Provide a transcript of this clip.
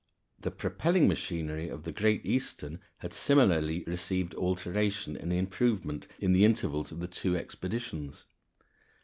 The propelling machinery of the Great Eastern had similarly received alteration and improvement in the intervals of the two expeditions.